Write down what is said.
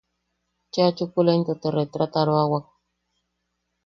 Cheʼa chukula into te retrataroawak.